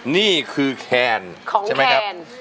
นี่คือแคนของแคนใช่ไหมครับ